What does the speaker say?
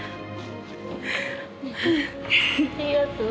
ありがとう。